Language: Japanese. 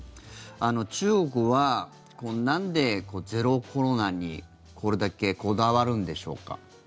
中国はなんで、ゼロコロナにこれだけこだわるんでしょうか？